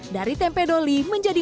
dari tempe doli menjadi